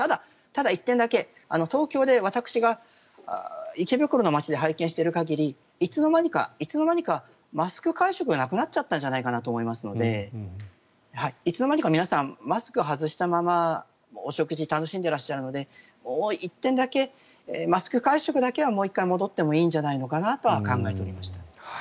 ただ１点だけ、東京で私が池袋の街で拝見している限りいつの間にかマスク会食がなくなっちゃったんじゃないかなと思いますのでいつの間にか皆さんマスクを外したままお食事を楽しんでいらっしゃるので１点だけ、マスク会食だけはもう１回戻ってもいいんじゃないかと考えておりました。